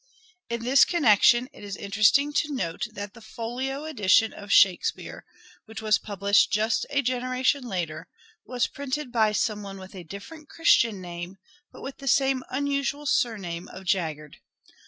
In this connection it is interesting to note that the folio edition of Shakespeare, which was published just a generation later, was printed by some one with a different Christian name but with the same unusual surname of Jaggard.